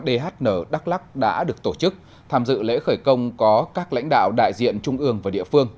dhn đắk lắc đã được tổ chức tham dự lễ khởi công có các lãnh đạo đại diện trung ương và địa phương